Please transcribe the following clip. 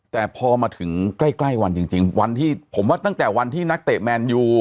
แต่พอมาถึงใกล้ใกล้วันจริงวันที่ผมว่าตั้งแต่วันที่นักเตะแมนยู